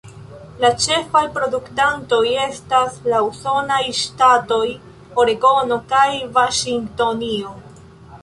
La ĉefaj produktantoj estas la usonaj ŝtatoj Oregono kaj Vaŝingtonio.